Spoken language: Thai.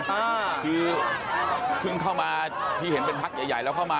คือเพิ่งเข้ามาที่เห็นเป็นพักใหญ่ใหญ่แล้วเข้ามา